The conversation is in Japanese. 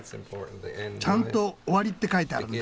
ちゃんと「終わり」って書いてあるんだ。